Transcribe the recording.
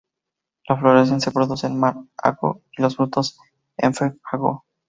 La floración se produce en mar–ago, y los frutos en feb–ago.